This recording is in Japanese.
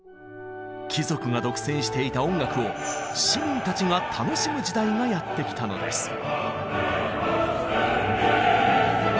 貴族が独占していた音楽を市民たちが楽しむ時代がやって来たのです。